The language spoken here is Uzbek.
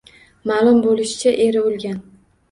Maʼlum boʻlishicha eri olgan.